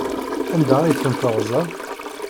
Anda ay ten-teɣzam?